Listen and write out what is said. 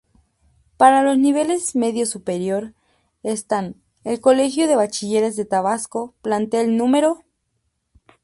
Para los niveles medio superior están: el Colegio de Bachilleres de Tabasco Plantel No.